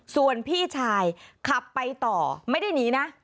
ส่วนพี่ชายขับไปต่อไม่ได้หนีนะ